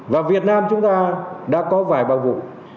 và việt nam chúng ta đã có vài bao vụ